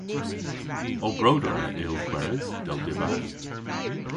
"Ow broder a yll gweres, dell dybav."